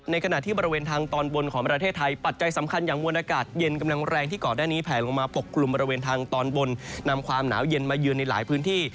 ขณะที่บริเวณทางตอนบนของประเทศไทยปัจจัยสำคัญอย่างมวลอากาศเย็นกำลังแรงที่ก่อนหน้านี้แผลลงมาปกกลุ่มบริเวณทางตอนบนนำความหนาวเย็นมาเยือนในหลายพื้นที่